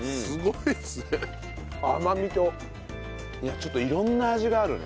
いやちょっと色んな味があるね。